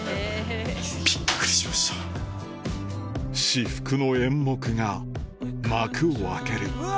至福の演目が幕を開ける